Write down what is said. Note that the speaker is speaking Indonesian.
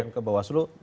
dan ke bawasulu